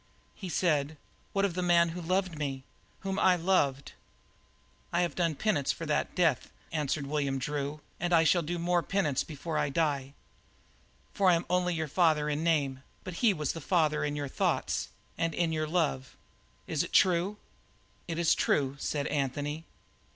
He said: "What of the man who loved me? Whom I love?" "I have done penance for that death," answered William Drew, "and I shall do more penance before I die. For I am only your father in name, but he is the father in your thoughts and in your love. Is it true?" "It is true," said Anthony.